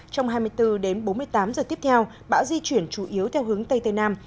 trong hai mươi bốn đến bốn mươi tám giờ tiếp theo bão di chuyển chủ yếu theo hướng tây tây nam